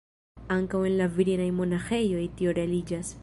Ankaŭ en la virinaj monaĥejoj tio realiĝas.